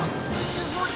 すごい。